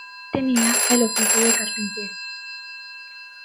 Tenía el oficio de carpintero.